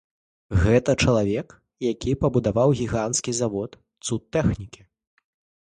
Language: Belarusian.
Гэта чалавек, які пабудаваў гіганцкі завод, цуд тэхнікі.